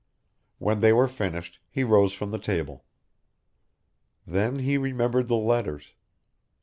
When they were finished, he rose from the table. Then he remembered the letters.